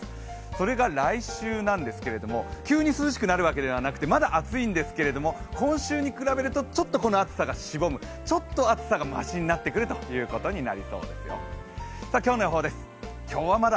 それが来週なんですけれども、急に涼しくなるわけではなくてまだ暑いんですけれども今週に比べるとちょっと暑さがしぼむ、ちょっと暑さマシになってくるということです。